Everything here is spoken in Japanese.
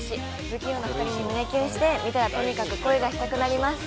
不器用な２人に胸キュンして、観たらとにかく恋がしたくなります！